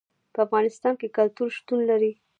په افغانستان کې کلتور شتون لري.